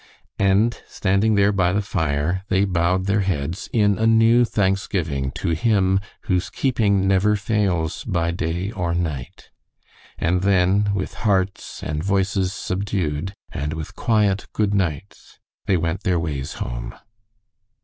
And standing there by the fire, they bowed their heads in a new thanksgiving to Him whose keeping never fails by day or night. And then, with hearts and voices subdued, and with quiet good nights, they went their ways home.